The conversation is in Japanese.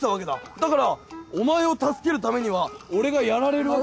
だからお前を助けるためには俺がやられるわけ。